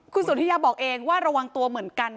คุณสนทิยาบอกเองว่าระวังตัวเหมือนกัน